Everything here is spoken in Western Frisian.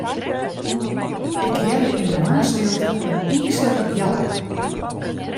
Ik hearde yn 'e moarnsstilte in yslike gjalp.